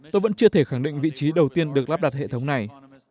tôi vẫn chưa thể khẳng định vị trí đầu tiên được lắp đặt hệ thống này